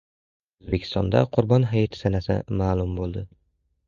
O‘zbekistonda Qurbon hayiti sanasi ma’lum bo‘ldi